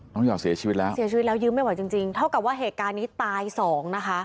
หยอดเสียชีวิตแล้วเสียชีวิตแล้วยืมไม่ไหวจริงจริงเท่ากับว่าเหตุการณ์นี้ตายสองนะคะ